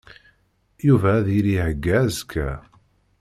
Yuba ad yili ihegga azekka.